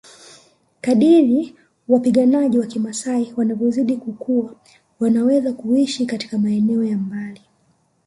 Kadri wapiganaji wa kimaasai wanavyozidi kukua wanaweza kuishi katika maeneo ya mbali